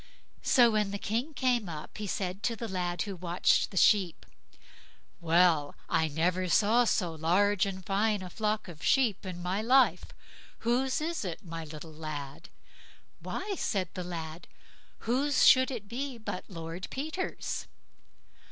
So when the king came up, he said to the lad who watched the sheep, "Well, I never saw so large and fine a flock of sheep in my life! Whose is it? my little lad." "Why", said the lad, "whose should it be but Lord Peter's."